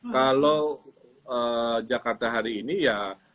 kalau jakarta hari ini ya